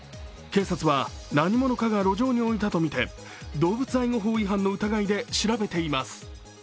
警察は何者かが路上に置いたとみて動物愛護法違反の疑いで調べています。